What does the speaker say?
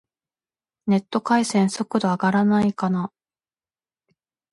ネット回線、速度上がらないかな